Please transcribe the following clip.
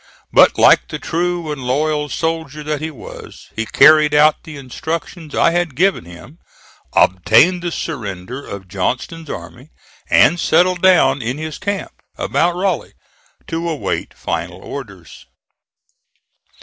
But like the true and loyal soldier that he was, he carried out the instructions I had given him, obtained the surrender of Johnston's army, and settled down in his camp about Raleigh, to await final orders.